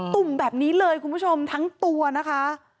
ตุ่มแบบนี้เลยคุณผู้ชมทั้งตัวนะคะ